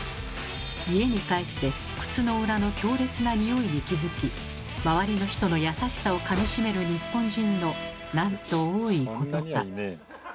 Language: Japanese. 家に帰って靴の裏の強烈なニオイに気付き周りの人の優しさをかみしめる日本人のなんと多いことか。